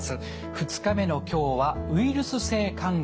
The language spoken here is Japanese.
２日目の今日はウイルス性肝炎です。